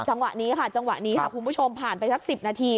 จังหวะนี้ค่ะคุณผู้ชมผ่านไปสัก๑๐นาที